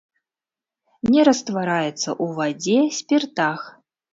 Не раствараецца ў вадзе, спіртах.